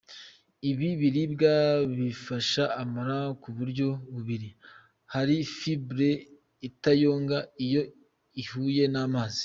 Ibi biribwa bifasha amara ku buryo bubiri: hari fibre itayonga iyo ihuye n’amazi.